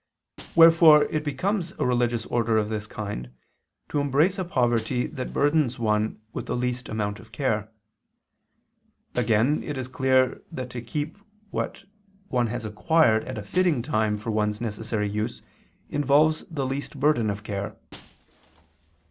Wherefore it becomes a religious order of this kind to embrace a poverty that burdens one with the least amount of care. Again it is clear that to keep what one has acquired at a fitting time for one's necessary use involves the least burden of care.